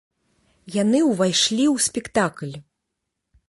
Яны ўвайшлі ў спектакль.